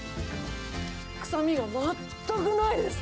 臭みが全くないです。